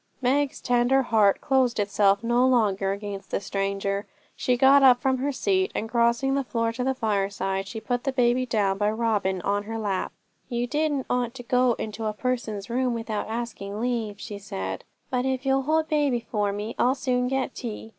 Meg's tender heart closed itself no longer against the stranger. She got up from her seat, and crossing the floor to the fireside, she put the baby down by Robin on her lap. 'You didn't ought to go into a person's room without asking leave,' she said; 'but if you'll hold baby for me, I'll soon get tea.